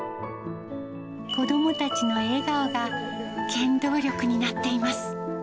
子どもたちの笑顔が、原動力になっています。